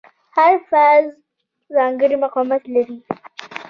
هر فلز ځانګړی مقاومت لري.